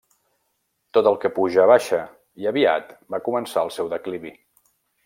Tot el que puja baixa, i aviat va començar el seu declivi.